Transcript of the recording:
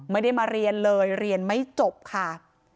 ไม่ได้มาเรียนเลยเรียนไม่จบค่ะ